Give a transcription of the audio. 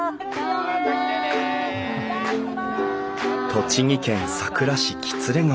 栃木県さくら市喜連川。